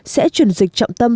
sẽ chuyển dịch trọng tâm